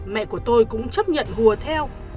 mẹ của tôi cũng chấp nhận hùa theo